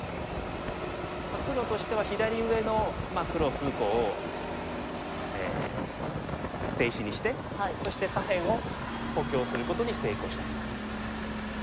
黒としては左上の黒数個を捨て石にしてそして左辺を補強することに成功したと。